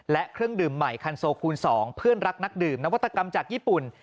และเครื่องดื่มใหม่คันโซคูณ๒เพื่อนรักนักดื่มนวัตกรรมจากญี่ปุ่น